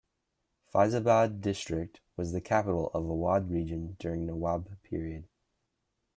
Faizabad District was the capital of Awadh region during Nawab Period.